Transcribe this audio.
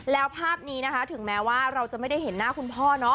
แล้วภาพนี้นะคะถึงแม้ว่าเราจะไม่ได้เห็นหน้าคุณพ่อเนาะ